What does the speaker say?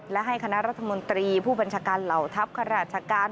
และให้คณะรัฐมนตรีผู้บัญชาการเหล่าทัพข้าราชการ